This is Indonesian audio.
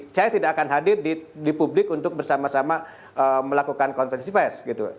saya tidak akan hadir di publik untuk bersama sama melakukan konvensi pes gitu